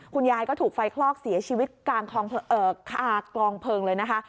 คุณยายก็ถูกไฟคลอกเสียชีวิตกลางเพลิงเลยนะคะ